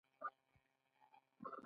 نو هغوي خو دې دا ورزشونه پۀ ځان فرض کړي -